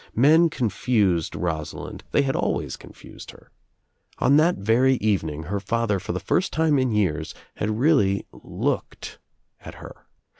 Men confused Rosalind, they had always confused her. On that very evening her father for the first time in years had really looked at her.